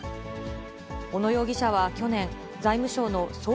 小野容疑者は去年、財務省の総括